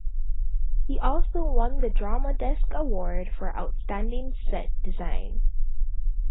He also won the Drama Desk Award for Outstanding Set Design.